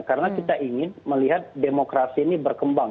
karena kita ingin melihat demokrasi ini berkembang